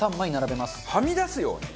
はみ出すように？